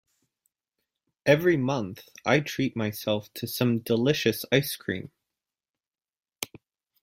Every month, I treat myself to some delicious ice cream.